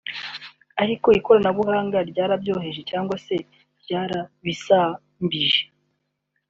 Ariko ikoranabuhanga ryarabyoroheje cyangwa se byarabizambije